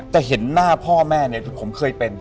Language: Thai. จะเห็นหน้าพ่อแม่เนี่ยผมเคยเป็น